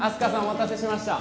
お待たせしました